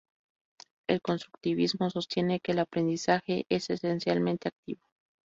El constructivismo sostiene que el aprendizaje es esencialmente activo.